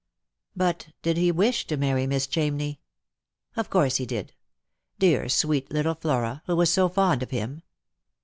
But did he wish to marry Miss Chamney ? Of course he did — dear sweet little Flora, who was so fond of him.